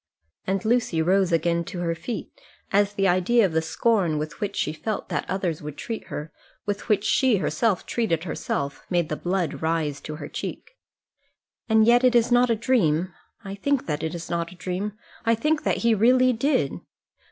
And Lucy rose again to her feet, as the idea of the scorn with which she felt that others would treat her with which she herself treated herself made the blood rise to her cheek. "And yet it is not a dream. I think that it is not a dream. I think that he really did."